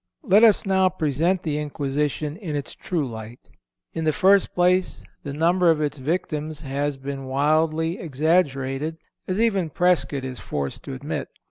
Let us now present the Inquisition in its true light. In the first place, the number of its victims has been wildly exaggerated, as even Prescott is forced to admit.